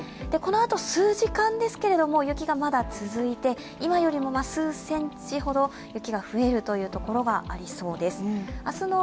このあと数時間ですけれども、雪がまだ続いて今よりも数センチほど雪が増えるというところがありそうです。